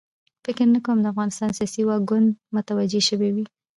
فکر نه کوم د افغانستان سیاسي واک کونډه متوجه شوې وي.